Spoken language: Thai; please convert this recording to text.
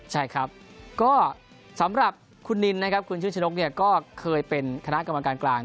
ใช่ครับก็สำหรับคุณนินนะครับคุณชื่อชนกก็เคยเป็นคณะกรรมการกลาง